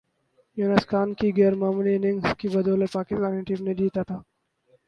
یونس خان کی غیر معمولی اننگز کی بدولت پاکستانی ٹیم نے جیتا تھا